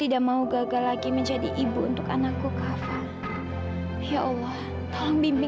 dan berikan saya kesempatan untuk bekerja di sini